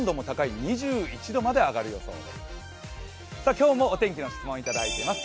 今日もお天気の質問いただいています。